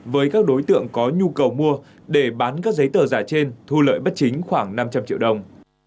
với các đối tượng có nhu cầu mua để bán các giấy tờ giả trên thu lợi bất chính khoảng năm trăm linh triệu đồng